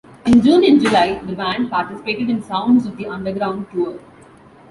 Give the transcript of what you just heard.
In June and July, the band participated in the Sounds of the Underground tour.